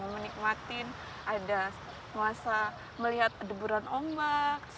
menikmatin ada masa melihat deburan ombak